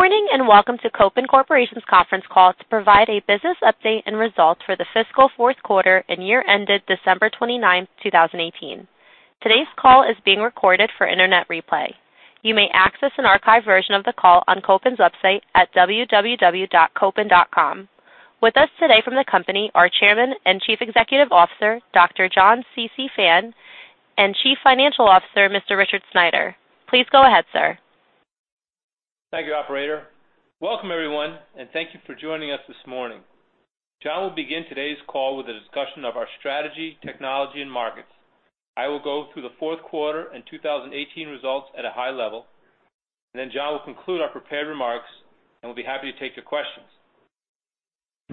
Good morning, welcome to Kopin Corporation's Conference Call to provide a business update and results for the fiscal fourth quarter and year ended December 29th, 2018. Today's call is being recorded for internet replay. You may access an archived version of the call on Kopin's website at www.kopin.com. With us today from the company are Chairman and Chief Executive Officer, Dr. John C. C. Fan, and Chief Financial Officer, Mr. Richard Sneider. Please go ahead, sir. Thank you, operator. Welcome, everyone, thank you for joining us this morning. John will begin today's call with a discussion of our strategy, technology, and markets. I will go through the fourth quarter and 2018 results at a high level, then John will conclude our prepared remarks, and we'll be happy to take your questions.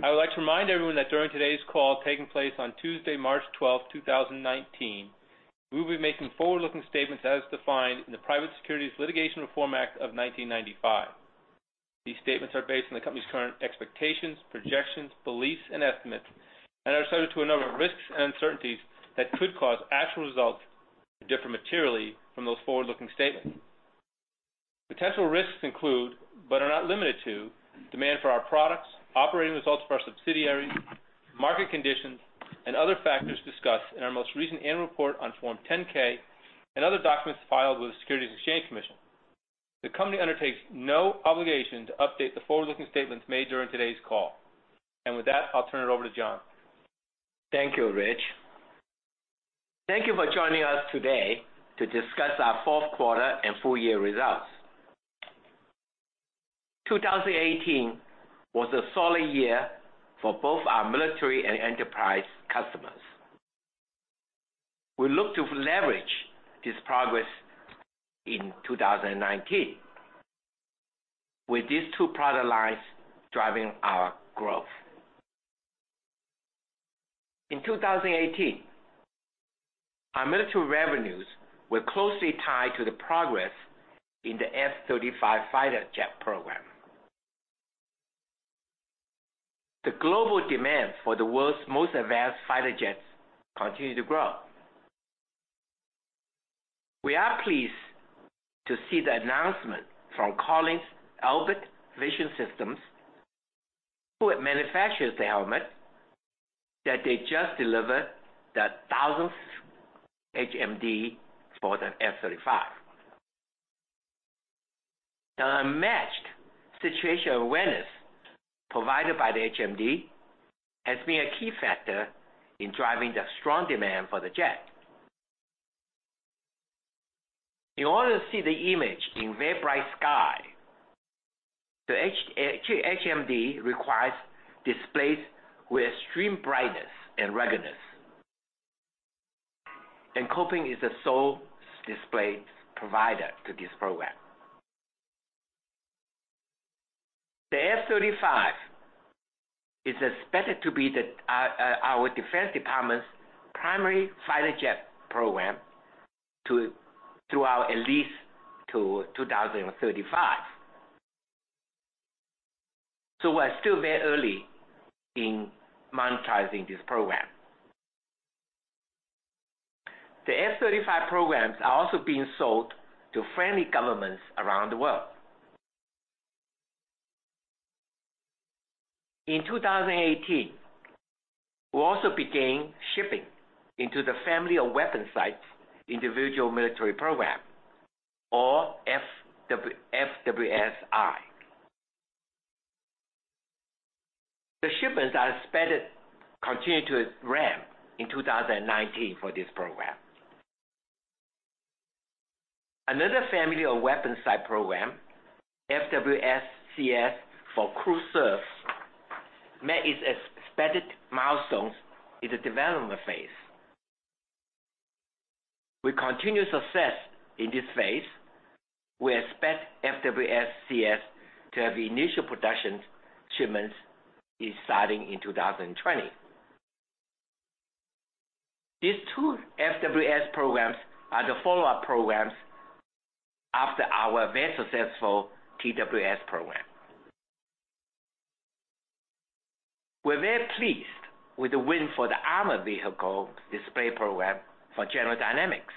I would like to remind everyone that during today's call taking place on Tuesday, March 12th, 2019, we will be making forward-looking statements as defined in the Private Securities Litigation Reform Act of 1995. These statements are based on the company's current expectations, projections, beliefs, and estimates, are subject to a number of risks and uncertainties that could cause actual results to differ materially from those forward-looking statements. Potential risks include, are not limited to, demand for our products, operating results for our subsidiaries, market conditions, and other factors discussed in our most recent annual report on Form 10-K and other documents filed with the Securities and Exchange Commission. The company undertakes no obligation to update the forward-looking statements made during today's call. With that, I'll turn it over to John. Thank you, Rich. Thank you for joining us today to discuss our fourth quarter and full-year results. 2018 was a solid year for both our military and enterprise customers. We look to leverage this progress in 2019, with these two product lines driving our growth. In 2018, our military revenues were closely tied to the progress in the F-35 fighter jet program. The global demand for the world's most advanced fighter jets continue to grow. We are pleased to see the announcement from Collins Elbit Vision Systems, who manufactures the helmet, that they just delivered the 1,000th HMD for the F-35. The unmatched situational awareness provided by the HMD has been a key factor in driving the strong demand for the jet. In order to see the image in very bright sky, the HMD requires displays with extreme brightness and ruggedness. Kopin is the sole display provider to this program. The F-35 is expected to be our Defense Department's primary fighter jet program throughout at least to 2035. We're still very early in monetizing this program. The F-35 programs are also being sold to friendly governments around the world. In 2018, we also began shipping into the Family of Weapons Sight-Individual Military Program, or FWS-I. The shipments are expected to continue to ramp in 2019 for this program. Another Family of Weapon Sights program, FWS-CS for crew-served, met its expected milestones in the development phase. With continued success in this phase, we expect FWS-CS to have initial production shipments starting in 2020. These two FWS programs are the follow-up programs after our very successful TWS program. We're very pleased with the win for the Armored Vehicle Display program for General Dynamics.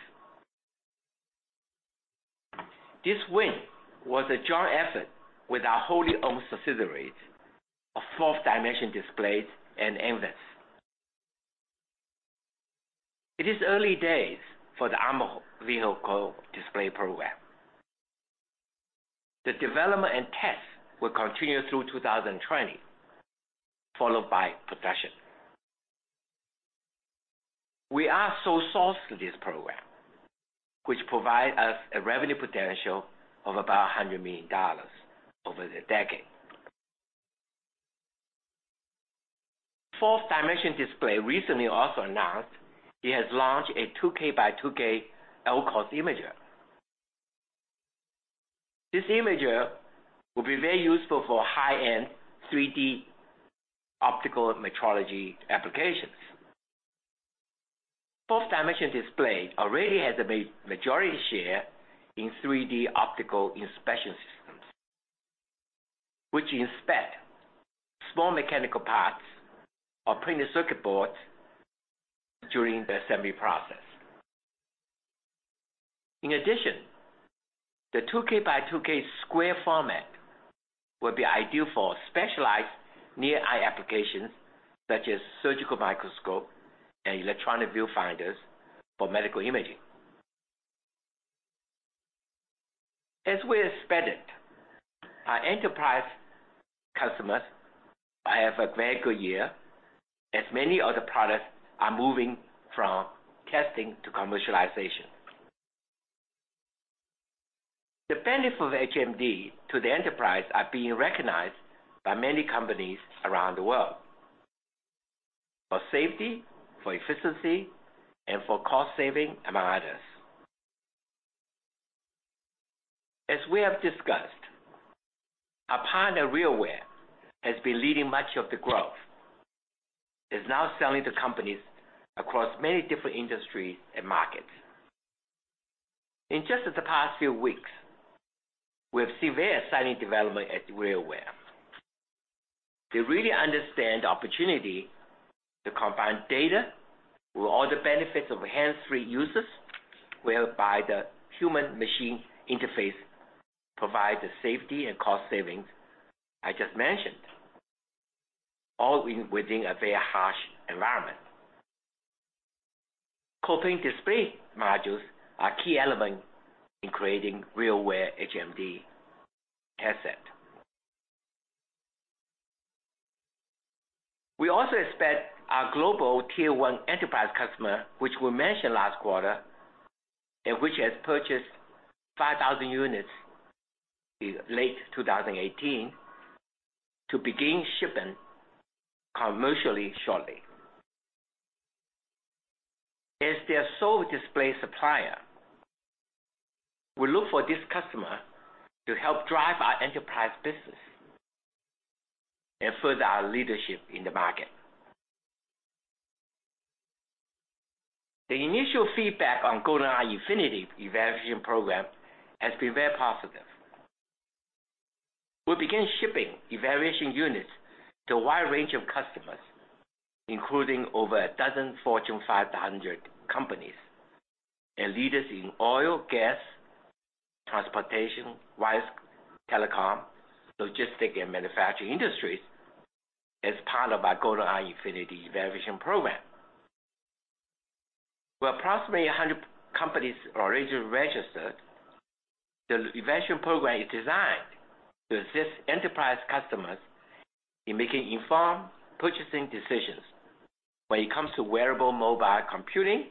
This win was a joint effort with our wholly-owned subsidiaries of Forth Dimension Displays and NVIS. It is early days for the Armored Vehicle Display program. The development and test will continue through 2020, followed by production. We are sole source for this program, which provides us a revenue potential of about $100 million over the decade. Forth Dimension Displays recently also announced it has launched a 2K x 2K LCOS imager. This imager will be very useful for high-end 3D optical metrology applications. Forth Dimension Displays already has a majority share in 3D optical inspection systems, which inspect small mechanical parts or printed circuit boards during the assembly process. In addition, the 2K x 2K square format will be ideal for specialized near-eye applications such as surgical microscope and electronic viewfinders for medical imaging. We expected, our enterprise customers have a very good year, as many of the products are moving from testing to commercialization. The benefits of HMD to the enterprise are being recognized by many companies around the world for safety, for efficiency, and for cost saving, among others. We have discussed, our partner, RealWear, has been leading much of the growth, is now selling to companies across many different industries and markets. In just the past few weeks, we have seen very exciting development at RealWear. They really understand the opportunity to combine data with all the benefits of hands-free users, whereby the human machine interface provides the safety and cost savings I just mentioned, all within a very harsh environment. Kopin display modules are a key element in creating RealWear HMD headset. We also expect our global Tier 1 enterprise customer, which we mentioned last quarter, and which has purchased 5,000 units in late 2018, to begin shipping commercially shortly. Their sole display supplier, we look for this customer to help drive our enterprise business and further our leadership in the market. The initial feedback on Golden-i Infinity evaluation program has been very positive. We began shipping evaluation units to a wide range of customers, including over a dozen Fortune 500 companies and leaders in oil, gas, transportation, wireless, telecom, logistic, and manufacturing industries as part of our Golden-i Infinity evaluation program. With approximately 100 companies already registered, the evaluation program is designed to assist enterprise customers in making informed purchasing decisions when it comes to wearable mobile computing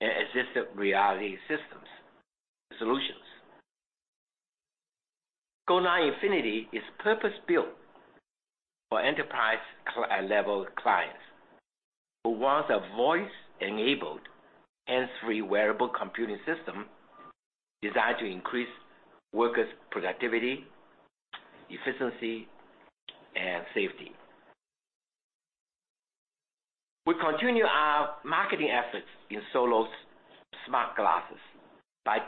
and assistive reality systems solutions. Golden-i Infinity is purpose-built for enterprise level clients who want a voice-enabled, hands-free wearable computing system designed to increase workers' productivity, efficiency, and safety. We continue our marketing efforts in Solos Smart Glasses by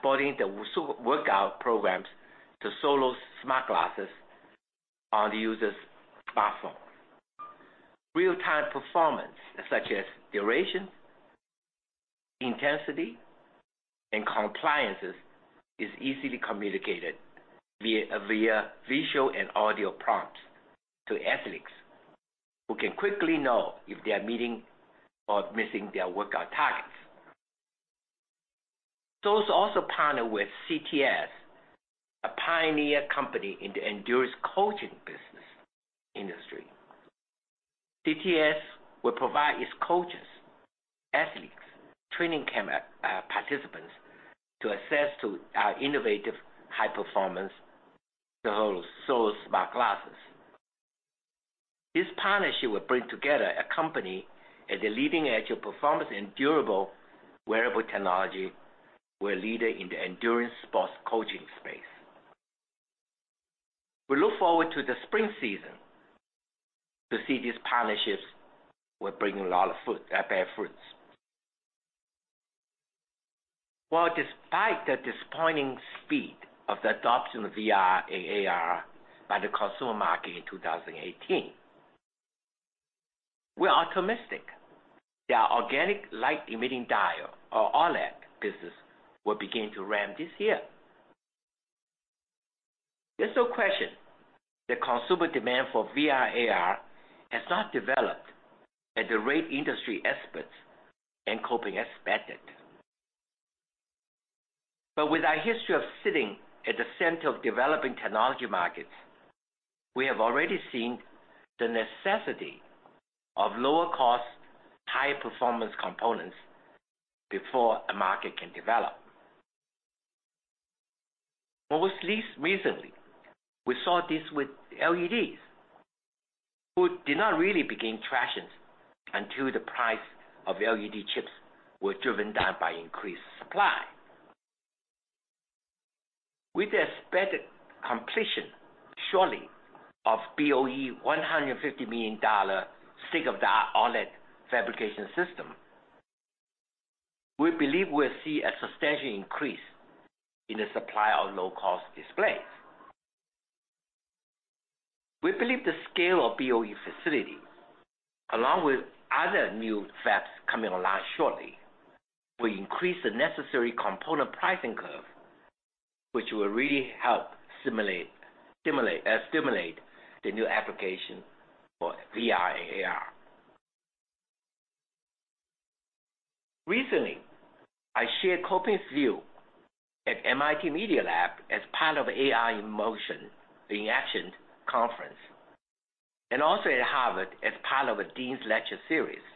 porting the workout programs to Solos Smart Glasses on the user's platform. Real-time performance, such as duration, intensity, and compliances, is easily communicated via visual and audio prompts to athletes who can quickly know if they are meeting or missing their workout targets. Solos also partner with CTS, a pioneer company in the endurance coaching industry. CTS will provide its coaches, athletes, training camp participants to access to our innovative high performance Solos Smart Glasses. This partnership will bring together a company at the leading edge of performance in durable wearable technology with a leader in the endurance sports coaching space. We look forward to the spring season to see these partnerships will bring a lot of bear fruits. Despite the disappointing speed of the adoption of VR and AR by the consumer market in 2018, we are optimistic that our organic light-emitting diode or OLED business will begin to ramp this year. There's no question that consumer demand for VR/AR has not developed at the rate industry experts and Kopin expected. But with our history of sitting at the center of developing technology markets, we have already seen the necessity of lower cost, high performance components before a market can develop. Most recently, we saw this with LEDs, who did not really begin traction until the price of LED chips were driven down by increased supply. With the expected completion shortly of BOE $150 million state-of-the-art OLED fabrication system, we believe we'll see a substantial increase in the supply of low-cost displays. We believe the scale of BOE facility, along with other new fabs coming online shortly, will increase the necessary component pricing curve, which will really help stimulate the new application for VR and AR. Recently, I shared Kopin's view at MIT Media Lab as part of AI in Motion in Action conference, and also at Harvard as part of a Dean's lecture series.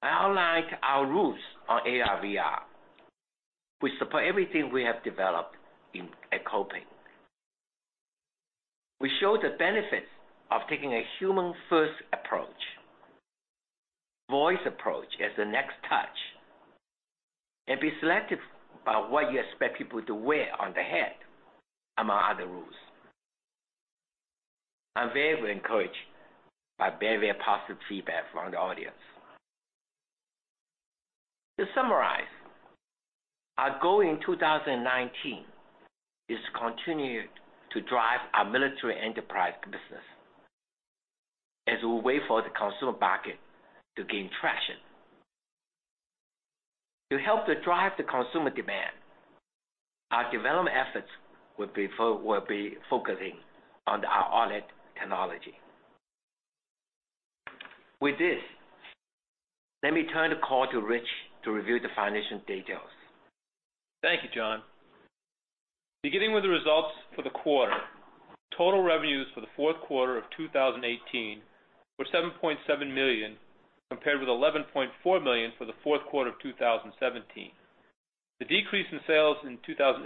I outlined our rules on AR/VR, which support everything we have developed at Kopin. We show the benefits of taking a human first approach, voice approach as the next touch, and be selective about what you expect people to wear on the head, among other rules. I'm very encouraged by very positive feedback from the audience. To summarize, our goal in 2019 is to continue to drive our military enterprise business as we wait for the consumer market to gain traction. To help drive the consumer demand, our development efforts will be focusing on the OLED technology. With this, let me turn the call to Rich to review the financial details. Thank you, John. Beginning with the results for the quarter. Total revenues for the fourth quarter of 2018 were $7.7 million, compared with $11.4 million for the fourth quarter of 2017. The decrease in sales in 2018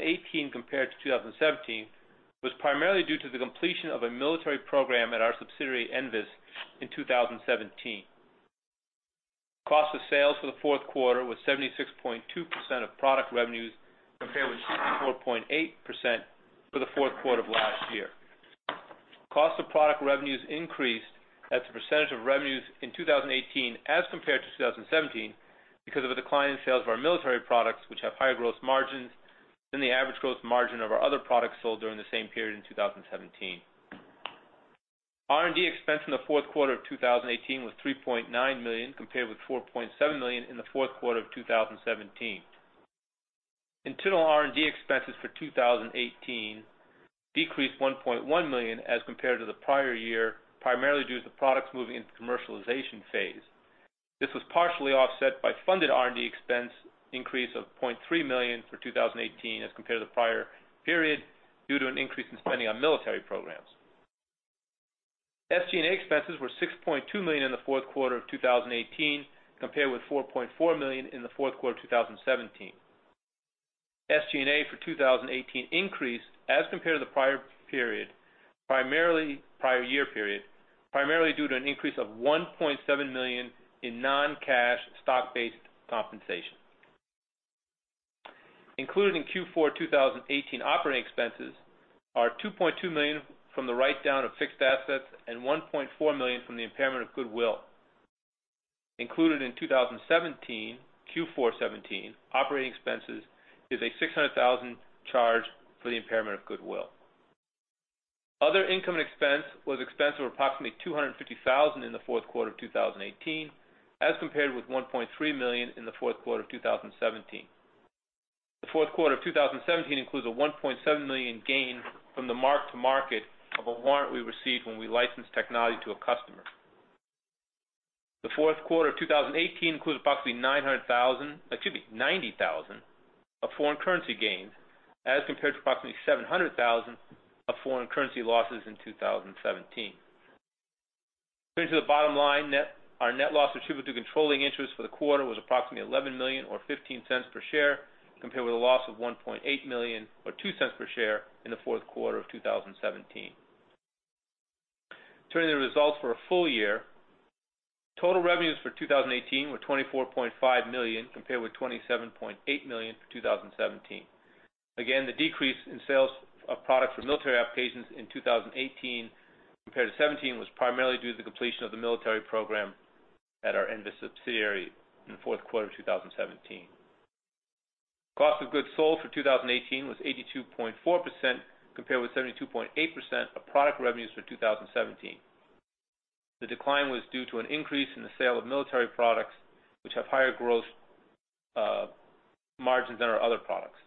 compared to 2017 was primarily due to the completion of a military program at our subsidiary, NVIS, in 2017. Cost of sales for the fourth quarter was 76.2% of product revenues, compared with 64.8% for the fourth quarter of last year. Cost of product revenues increased as a percentage of revenues in 2018 as compared to 2017 because of a decline in sales of our military products, which have higher growth margins than the average growth margin of our other products sold during the same period in 2017. R&D expense in the fourth quarter of 2018 was $3.9 million, compared with $4.7 million in the fourth quarter of 2017. Internal R&D expenses for 2018 decreased $1.1 million as compared to the prior year, primarily due to the products moving into commercialization phase. This was partially offset by funded R&D expense increase of $0.3 million for 2018 as compared to the prior period, due to an increase in spending on military programs. SG&A expenses were $6.2 million in the fourth quarter of 2018, compared with $4.4 million in the fourth quarter of 2017. SG&A for 2018 increased as compared to the prior year period, primarily due to an increase of $1.7 million in non-cash stock-based compensation. Included in Q4 2018 operating expenses are $2.2 million from the write-down of fixed assets and $1.4 million from the impairment of goodwill. Included in 2017, Q4 2017 operating expenses is a $600,000 charge for the impairment of goodwill. Other income and expense was expense of approximately $250,000 in the fourth quarter of 2018, as compared with $1.3 million in the fourth quarter of 2017. The fourth quarter of 2017 includes a $1.7 million gain from the mark to market of a warrant we received when we licensed technology to a customer. The fourth quarter of 2018 includes approximately $90,000 of foreign currency gains as compared to approximately $700,000 of foreign currency losses in 2017. Turning to the bottom line net, our net loss attributable to controlling interest for the quarter was approximately $11 million or $0.15 per share, compared with a loss of $1.8 million or $0.02 per share in the fourth quarter of 2017. Turning to the results for a full year. Total revenues for 2018 were $24.5 million, compared with $27.8 million for 2017. The decrease in sales of product for military applications in 2018 compared to 2017 was primarily due to the completion of the military program at our NVIS subsidiary in the fourth quarter of 2017. Cost of goods sold for 2018 was 82.4%, compared with 72.8% of product revenues for 2017. The decline was due to an increase in the sale of military products, which have higher growth margins than our other products.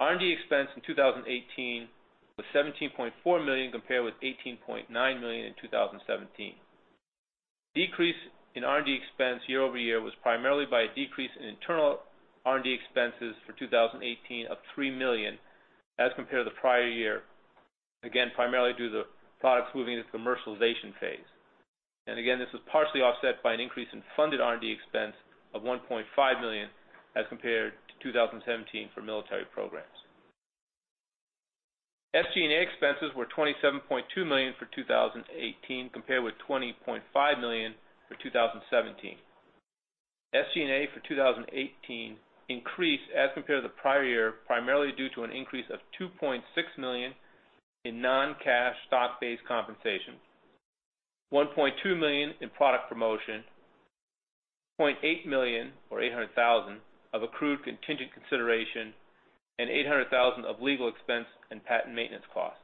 R&D expense in 2018 was $17.4 million, compared with $18.9 million in 2017. Decrease in R&D expense year-over-year was primarily by a decrease in internal R&D expenses for 2018 of $3 million as compared to the prior year. Primarily due to the products moving into the commercialization phase. This was partially offset by an increase in funded R&D expense of $1.5 million as compared to 2017 for military programs. SG&A expenses were $27.2 million for 2018, compared with $20.5 million for 2017. SG&A for 2018 increased as compared to the prior year, primarily due to an increase of $2.6 million in non-cash stock-based compensation, $1.2 million in product promotion, $0.8 million or $800,000 of accrued contingent consideration, and $800,000 of legal expense and patent maintenance costs.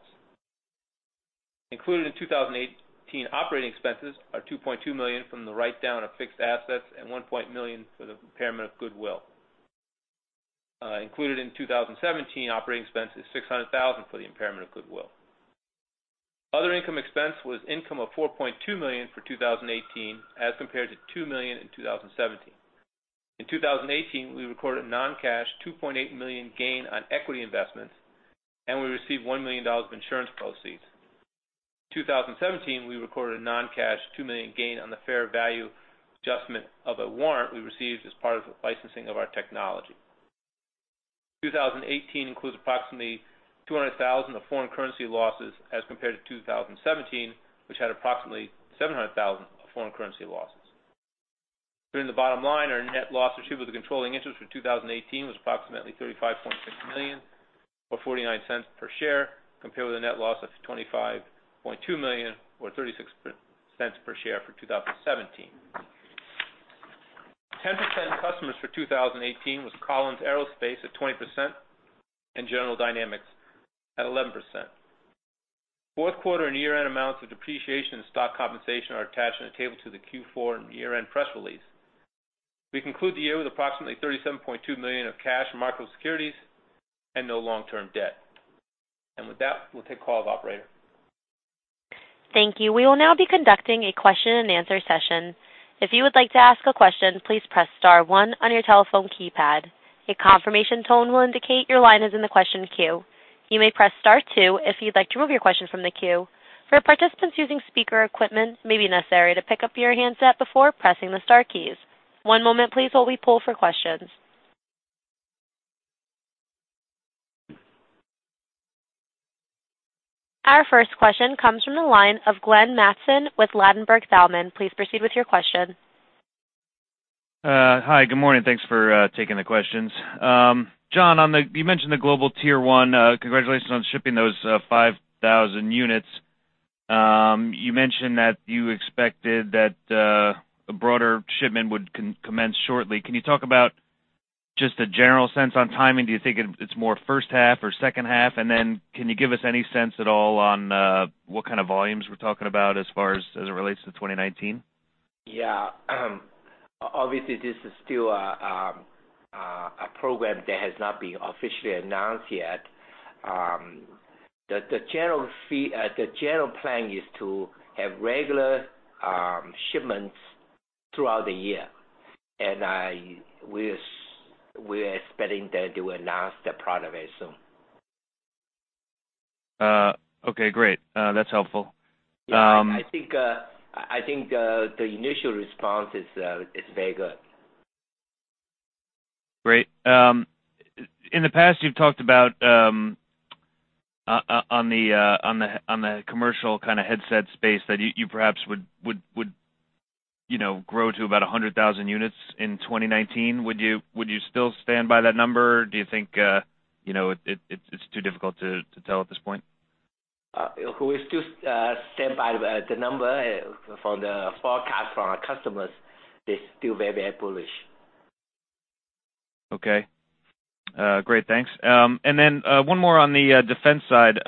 Included in 2018 operating expenses are $2.2 million from the write-down of fixed assets and $1.4 million for the impairment of goodwill. Included in 2017 operating expense is $600,000 for the impairment of goodwill. Other income expense was income of $4.2 million for 2018 as compared to $2 million in 2017. In 2018, we recorded non-cash $2.8 million gain on equity investments, and we received $1 million of insurance proceeds. In 2017, we recorded a non-cash $2 million gain on the fair value adjustment of a warrant we received as part of the licensing of our technology. 2018 includes approximately $200,000 of foreign currency losses as compared to 2017, which had approximately $700,000 of foreign currency losses. Turning to bottom line, our net loss attributable to controlling interest for 2018 was approximately $35.6 million or $0.49 per share, compared with a net loss of $25.2 million or $0.36 per share for 2017. 10% of customers for 2018 was Collins Aerospace at 20% and General Dynamics at 11%. Fourth quarter and year-end amounts of depreciation and stock compensation are attached in a table to the Q4 and year-end press release. We conclude the year with approximately $37.2 million of cash and marketable securities and no long-term debt. With that, we'll take calls, operator. Thank you. We will now be conducting a question-and-answer session. If you would like to ask a question, please press star one on your telephone keypad. A confirmation tone will indicate your line is in the question queue. You may press star two if you'd like to remove your question from the queue. For participants using speaker equipment, it may be necessary to pick up your handset before pressing the star keys. One moment please while we poll for questions. Our first question comes from the line of Glenn Mattson with Ladenburg Thalmann, please proceed with your question. Hi, good morning. Thanks for taking the questions. John, you mentioned the global Tier 1. Congratulations on shipping those 5,000 units. You mentioned that you expected that a broader shipment would commence shortly. Can you talk about just a general sense on timing? Do you think it's more first half or second half? Then can you give us any sense at all on what kind of volumes we're talking about as far as it relates to 2019? Yeah. Obviously, this is still a program that has not been officially announced yet. The general plan is to have regular shipments throughout the year, we're expecting that they will announce the product very soon. Okay, great. That's helpful. Yeah, I think the initial response is very good. Great. In the past, you've talked about on the commercial kind of headset space that you perhaps would grow to about 100,000 units in 2019. Would you still stand by that number, do you think it's too difficult to tell at this point? We still stand by the number from the forecast from our customers. They're still very bullish. Okay. Great. Thanks. One more on the defense side.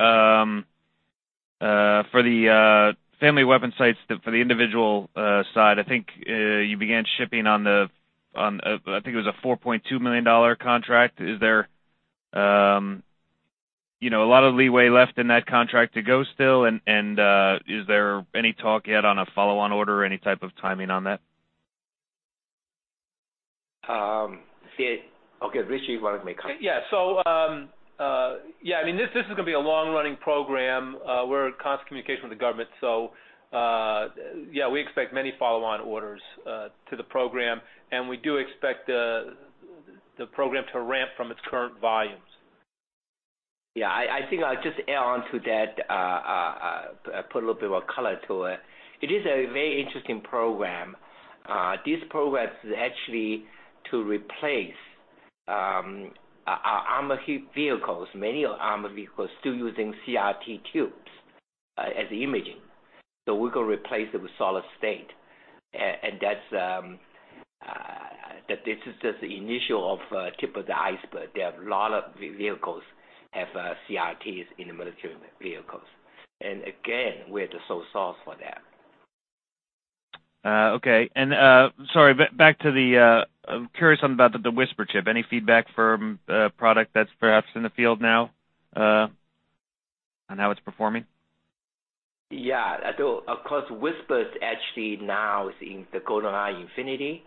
For the Family of Weapons Sights, for the individual side, I think you began shipping on the, I think it was a $4.2 million contract. Is there a lot of leeway left in that contract to go still and is there any talk yet on a follow-on order or any type of timing on that? Okay, Rich, why don't you make a comment? This is going to be a long-running program. We're in constant communication with the government. We expect many follow-on orders to the program, and we do expect the program to ramp from its current volumes. I think I'll just add on to that, put a little bit more color to it. It is a very interesting program. This program is actually to replace our armored vehicles. Many armored vehicles still using CRT tubes as imaging. We're going to replace it with solid state. This is just the initial of tip of the iceberg. There are a lot of vehicles have CRTs in the military vehicles. Again, we're the sole source for that. Okay. Sorry. I'm curious about the Whisper Chip. Any feedback from the product that's perhaps in the field now, on how it's performing? Yeah. Of course, Whisper is actually now in the Golden-i Infinity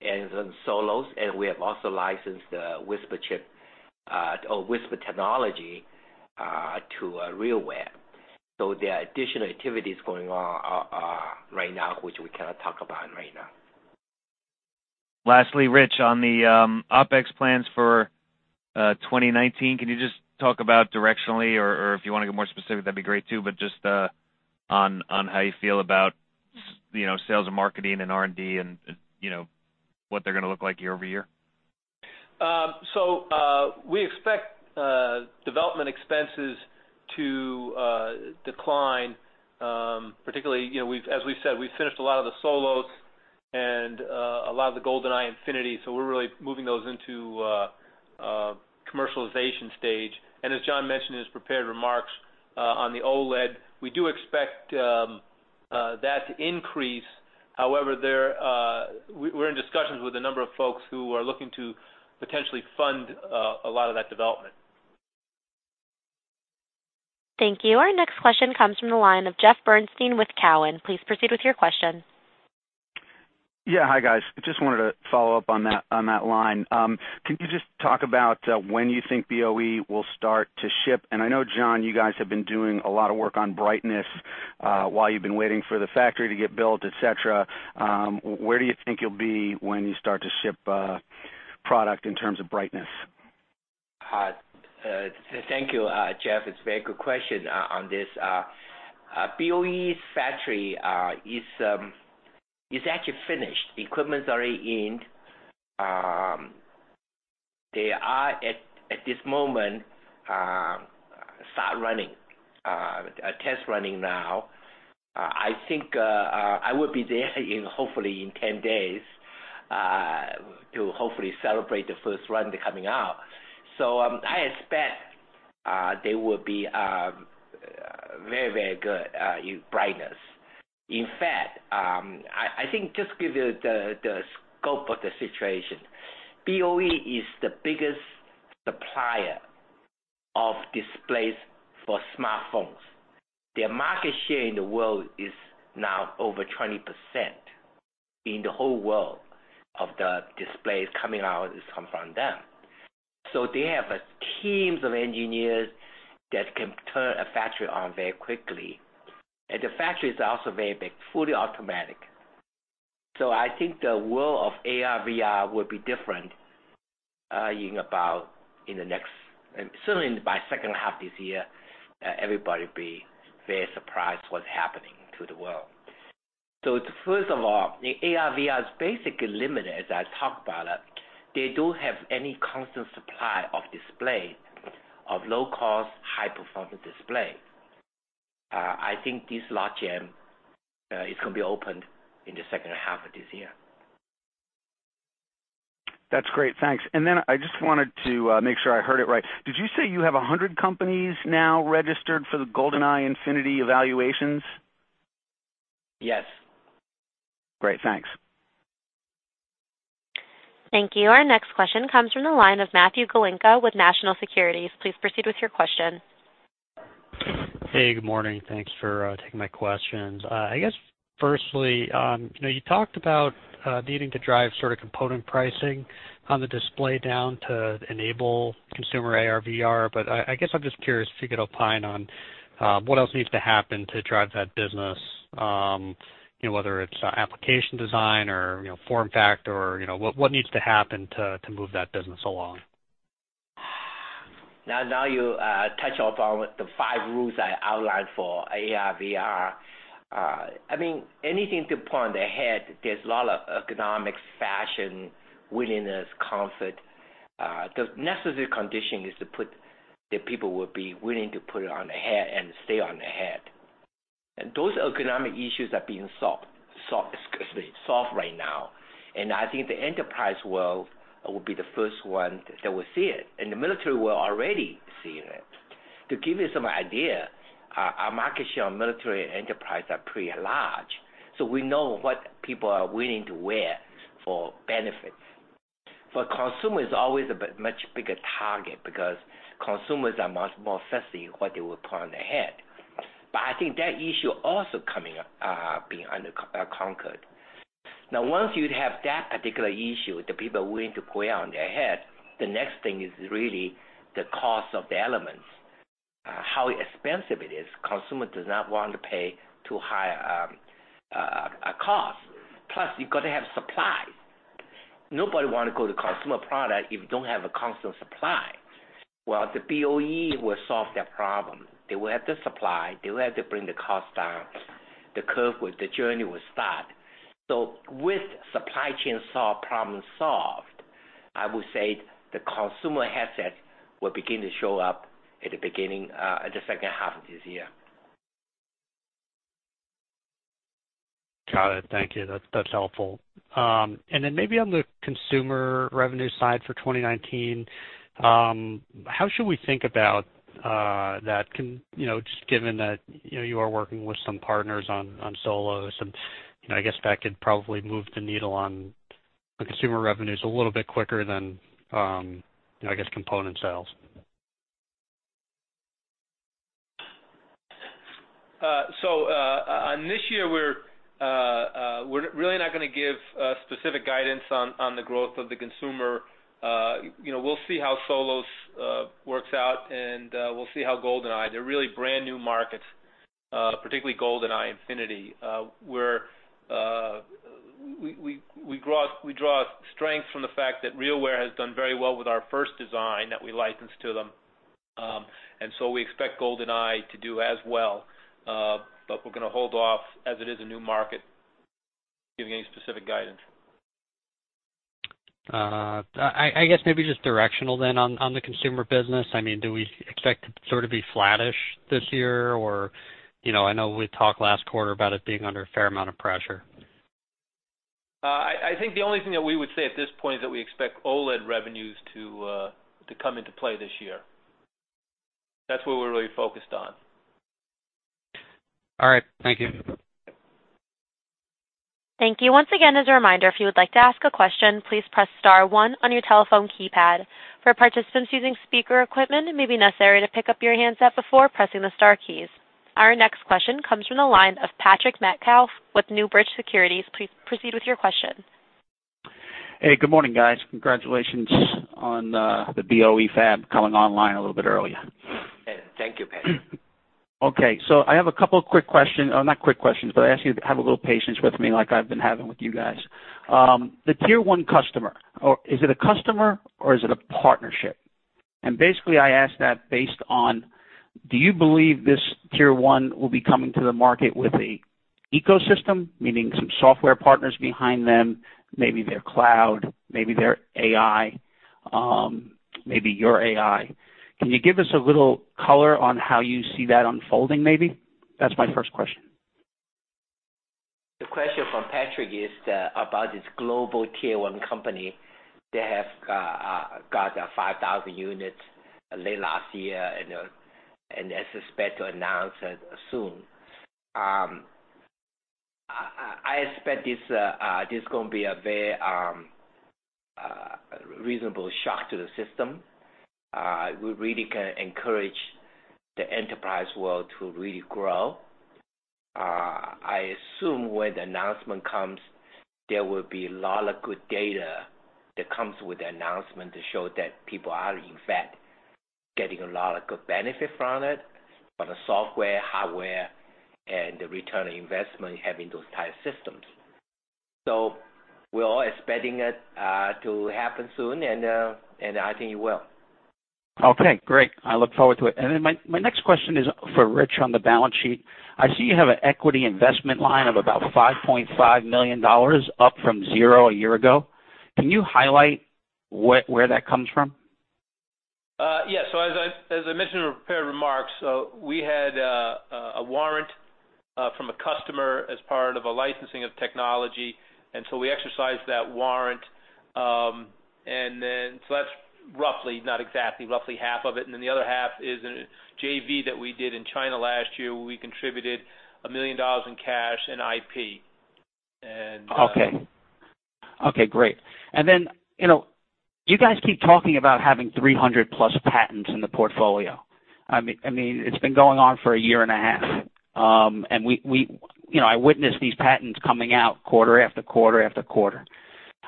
and in Solos, and we have also licensed the Whisper Chip or Whisper technology to RealWear. There are additional activities going on right now, which we cannot talk about right now. Lastly, Rich, on the OpEx plans for 2019, can you just talk about directionally or if you want to go more specific, that would be great too, but just on how you feel about sales and marketing and R&D and what they are going to look like year-over-year. We expect development expenses to decline. Particularly, as we have said, we have finished a lot of the Solos and a lot of the Golden-i Infinity. We are really moving those into commercialization stage. As John mentioned in his prepared remarks, on the OLED, we do expect that to increase. However, we are in discussions with a number of folks who are looking to potentially fund a lot of that development. Thank you. Our next question comes from the line of Jeff Bernstein with Cowen. Please proceed with your question. Yeah. Hi, guys. Just wanted to follow up on that line. Can you just talk about when you think BOE will start to ship? I know, John, you guys have been doing a lot of work on brightness, while you've been waiting for the factory to get built, et cetera. Where do you think you'll be when you start to ship product in terms of brightness? Thank you, Jeff. It's a very good question on this. BOE's factory is actually finished. The equipment's already in. They are, at this moment, start test running now. I think, I will be there hopefully in 10 days, to hopefully celebrate the first run coming out. I expect they will be very good in brightness. In fact, I think just give you the scope of the situation. BOE is the biggest supplier of displays for smartphones. Their market share in the world is now over 20% in the whole world of the displays coming out is coming from them. They have teams of engineers that can turn a factory on very quickly. The factories are also very big, fully automatic. I think the world of AR/VR will be different in about the next, certainly by second half this year, everybody will be very surprised what's happening to the world. First of all, the AR/VR is basically limited, as I talk about it. They don't have any constant supply of display, of low-cost, high-performance display. I think this large gem is going to be opened in the second half of this year. That's great. Thanks. I just wanted to make sure I heard it right. Did you say you have 100 companies now registered for the Golden-i Infinity evaluations? Yes. Great. Thanks. Thank you. Our next question comes from the line of Matthew Galinko with National Securities. Please proceed with your question. Hey, good morning. Thanks for taking my questions. I guess firstly, you talked about needing to drive component pricing on the display down to enable consumer AR/VR, I guess I'm just curious if you could opine on what else needs to happen to drive that business, whether it's application design or form factor. What needs to happen to move that business along? Now you touch upon the five rules I outlined for AR/VR. Anything to put on the head, there's a lot of economics, fashion, willingness, comfort. The necessary condition is to put, the people will be willing to put it on the head and stay on the head. Those economic issues are being solved right now, I think the enterprise world will be the first one that will see it, the military world already seeing it. To give you some idea, our market share on military and enterprise are pretty large, we know what people are willing to wear for benefits. For consumers, always a much bigger target because consumers are much more fussy what they will put on their head. I think that issue also being conquered. Once you'd have that particular issue, the people willing to put it on their head, the next thing is really the cost of the elements, how expensive it is. Consumer does not want to pay too high a cost. You've got to have supply. Nobody want to go to consumer product if you don't have a constant supply. The BOE will solve that problem. They will have the supply. They will have to bring the cost down. The curve with the journey will start. With supply chain problem solved, I would say the consumer headset will begin to show up at the second half of this year. Got it. Thank you. That's helpful. Maybe on the consumer revenue side for 2019, how should we think about that, just given that you are working with some partners on Solos, and I guess that could probably move the needle on the consumer revenues a little bit quicker than, I guess, component sales. On this year, we're really not going to give specific guidance on the growth of the consumer. We'll see how Solos works out, and we'll see how Golden-i. They're really brand-new markets. Particularly, Golden-i Infinity, where we draw strength from the fact that RealWear has done very well with our first design that we licensed to them. We expect Golden-i to do as well. We're going to hold off, as it is a new market, giving any specific guidance. I guess maybe just directional then on the consumer business. Do we expect it to sort of be flattish this year? I know we talked last quarter about it being under a fair amount of pressure. I think the only thing that we would say at this point is that we expect OLED revenues to come into play this year. That's what we're really focused on. All right. Thank you. Thank you. Once again, as a reminder, if you would like to ask a question, please press star one on your telephone keypad. For participants using speaker equipment, it may be necessary to pick up your handset before pressing the star keys. Our next question comes from the line of Patrick Metcalf with NewBridge Securities. Please proceed with your question. Hey, good morning, guys. Congratulations on the BOE fab coming online a little bit early. Thank you, Patrick. Okay. I have a couple of quick questions. Not quick questions, I ask you to have a little patience with me like I've been having with you guys. The Tier 1 customer, is it a customer or is it a partnership? Basically, I ask that based on, do you believe this Tier 1 will be coming to the market with an ecosystem, meaning some software partners behind them, maybe their cloud, maybe their AI, maybe your AI. Can you give us a little color on how you see that unfolding, maybe? That's my first question. The question from Patrick is about this global Tier 1 company that have got 5,000 units late last year, they expect to announce it soon. I expect this is going to be a very reasonable shock to the system. We really can encourage the enterprise world to really grow. I assume when the announcement comes, there will be a lot of good data that comes with the announcement to show that people are, in fact, getting a lot of good benefit from it, for the software, hardware, and the return on investment having those type of systems. We're all expecting it to happen soon, I think it will. Okay, great. I look forward to it. My next question is for Rich on the balance sheet. I see you have an equity investment line of about $5.5 million, up from zero a year ago. Can you highlight where that comes from? Yes. As I mentioned in the prepared remarks, we had a warrant from a customer as part of a licensing of technology, we exercised that warrant. That's roughly, not exactly, roughly half of it. The other half is in a JV that we did in China last year, where we contributed $1 million in cash and IP. Okay. Okay, great. You guys keep talking about having 300+ patents in the portfolio. It's been going on for a year and a half. I witness these patents coming out quarter after quarter after quarter.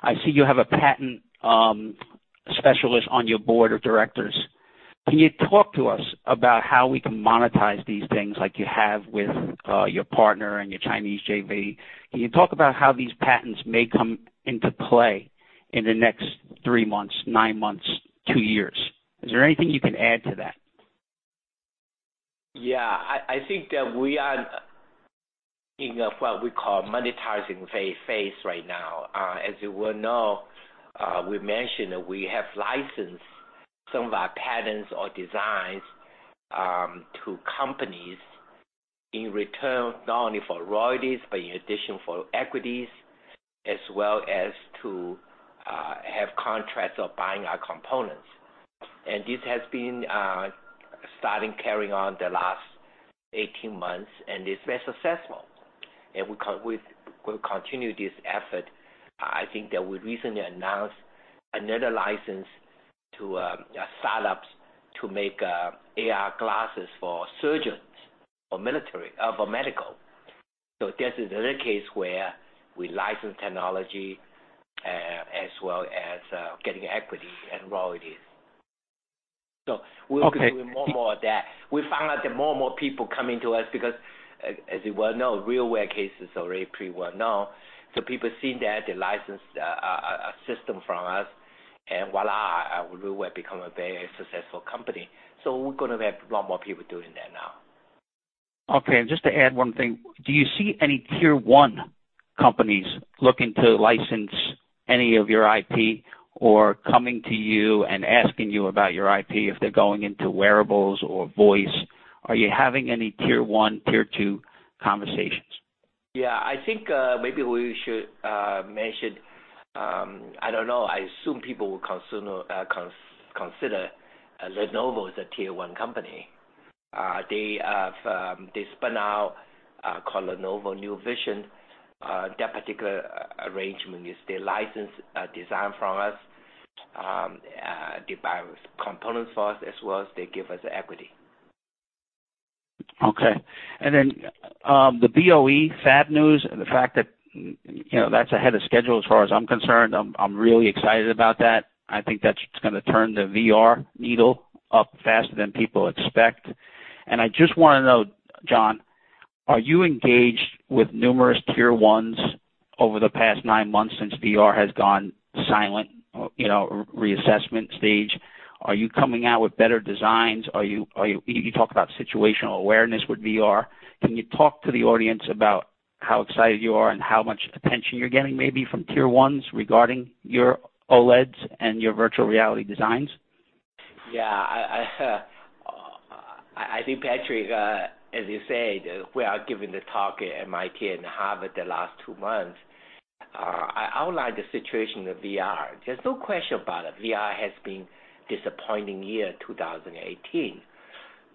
I see you have a patent specialist on your Board of Directors. Can you talk to us about how we can monetize these things like you have with your partner and your Chinese JV? Can you talk about how these patents may come into play in the next three months, nine months, two years? Is there anything you can add to that? I think that we are in what we call monetizing phase right now. As you well know, we mentioned that we have licensed some of our patents or designs to companies in return not only for royalties, but in addition for equities, as well as to have contracts of buying our components. This has been starting carrying on the last 18 months, and it's been successful. We'll continue this effort. I think that we recently announced another license to a startup to make AR glasses for surgeons, for medical. This is another case where we license technology as well as getting equity and royalties. Okay. We're doing more of that. We found out that more and more people coming to us because, as you well know, RealWear case is already pretty well known. People seen that, they licensed a system from us, and voila, RealWear become a very successful company. We're going to have a lot more people doing that now. Okay, just to add one thing, do you see any Tier 1 companies looking to license any of your IP or coming to you and asking you about your IP if they're going into wearables or voice? Are you having any Tier 1, Tier 2 conversations? I think maybe we should mention, I don't know, I assume people will consider Lenovo as a Tier 1 company. They spin out Lenovo New Vision. That particular arrangement is they license design from us. They buy components for us as well as they give us equity. Okay. The BOE fab news and the fact that's ahead of schedule as far as I'm concerned, I'm really excited about that. I think that's going to turn the VR needle up faster than people expect. I just want to know, John, are you engaged with numerous Tier 1s over the past nine months since VR has gone silent, reassessment stage? Are you coming out with better designs? You talk about situational awareness with VR. Can you talk to the audience about how excited you are and how much attention you're getting maybe from Tier 1s regarding your OLEDs and your virtual reality designs? I think, Patrick, as you said, we are giving the talk at MIT and Harvard the last two months. I outlined the situation with VR. There's no question about it, VR has been disappointing year 2018.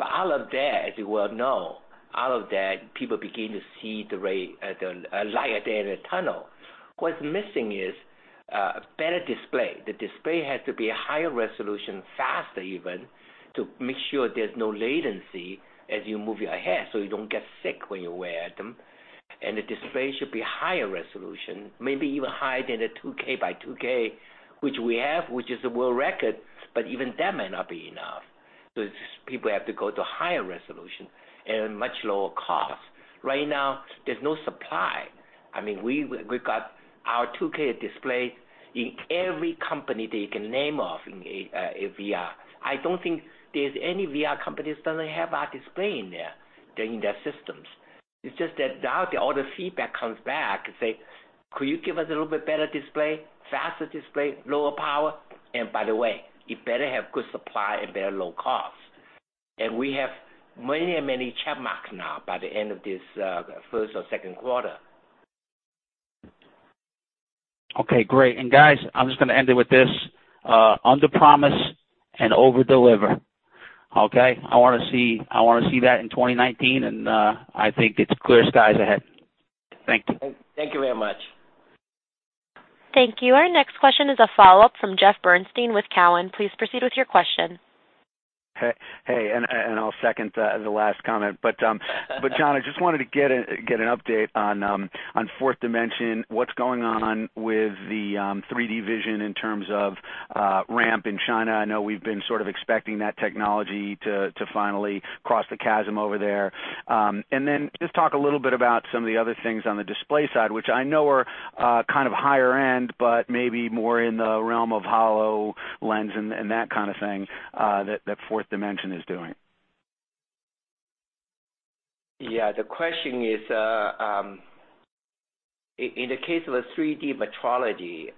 Out of that, as you well know, out of that, people begin to see the light at the end of the tunnel. What's missing is a better display. The display has to be a higher resolution, faster even, to make sure there's no latency as you move your head, so you don't get sick when you wear them. The display should be higher resolution, maybe even higher than the 2K x 2K, which we have, which is a world record, but even that may not be enough. People have to go to higher resolution and much lower cost. Right now, there's no supply. We've got our 2K display in every company that you can name of in VR. I don't think there's any VR company doesn't have our display in there, in their systems. It's just that now that all the feedback comes back and say, "Could you give us a little bit better display, faster display, lower power? By the way, it better have good supply and very low cost." We have many check marks now by the end of this first or second quarter. Okay, great. Guys, I'm just going to end it with this. Underpromise and overdeliver. Okay. I want to see that in 2019, and I think it's clear skies ahead. Thank you. Thank you very much. Thank you. Our next question is a follow-up from Jeff Bernstein with Cowen. Please proceed with your question. Hey, I'll second the last comment. John, I just wanted to get an update on Forth Dimension. What's going on with the 3D vision in terms of ramp in China? I know we've been sort of expecting that technology to finally cross the chasm over there. Then just talk a little bit about some of the other things on the display side, which I know are kind of higher end, but maybe more in the realm of HoloLens and that kind of thing that Forth Dimension is doing. Yeah. The question is, in the case of 3D optical metrology,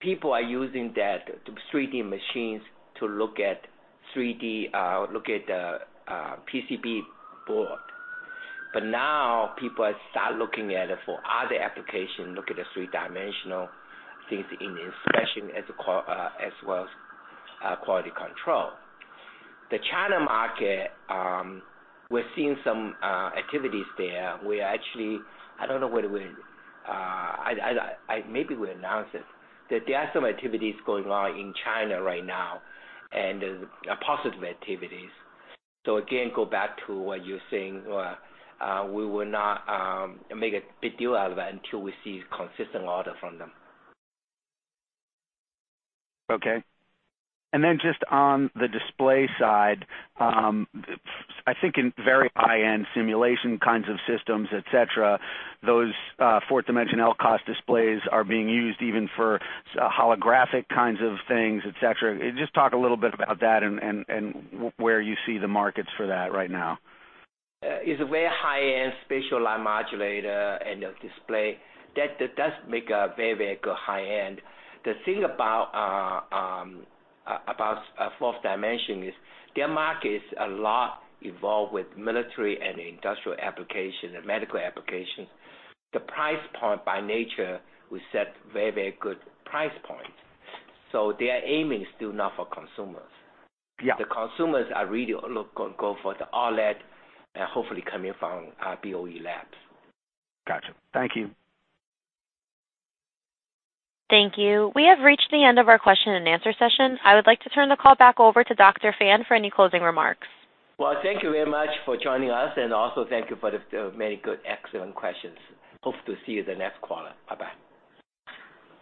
people are using that, 3D machines, to look at 3D, look at the PCB board. Now, people are start looking at it for other application, look at the three-dimensional things in inspection as well as quality control. The China market, we're seeing some activities there. We're actually, I don't know whether we. Maybe we'll announce it. That there are some activities going on in China right now, and are positive activities. Again, go back to what you're saying, we will not make a big deal out of that until we see consistent order from them. Okay. Then just on the display side, I think in very high-end simulation kinds of systems, et cetera, those Forth Dimension LCOS displays are being used even for holographic kinds of things, et cetera. Just talk a little bit about that and where you see the markets for that right now. It's a very high-end spatial light modulator and a display. That does make a very good high end. The thing about Forth Dimension is their market is a lot involved with military and industrial application and medical applications. The price point by nature, we set very good price point. They are aiming still not for consumers. Yeah. The consumers are really go for the OLED and hopefully coming from BOE fabs. Got you. Thank you. Thank you. We have reached the end of our question-and-answer session. I would like to turn the call back over to Dr. Fan for any closing remarks. Well, thank you very much for joining us. Also, thank you for the many good, excellent questions. Hope to see you the next quarter. Bye-bye.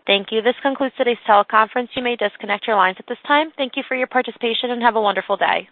Thank you. This concludes today's teleconference. You may disconnect your lines at this time. Thank you for your participation, and have a wonderful day.